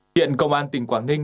viện công an tỉnh quảng ninh